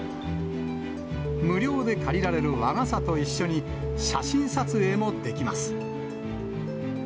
無料で借りられる和傘と一緒に、写真撮影もできます。